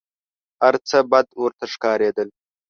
هر څه بد ورته ښکارېدل .